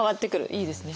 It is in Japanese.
いいですね。